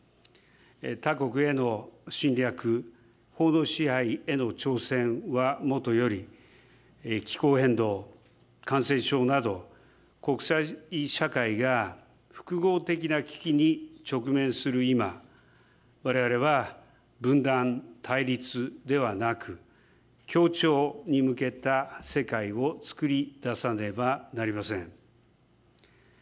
他国への侵略、法の支配への挑戦はもとより、気候変動、感染症など、国際社会が複合的な危機に直面する今、われわれは分断・対立ではなく、協調に向けた世界を創り出さねばなりません。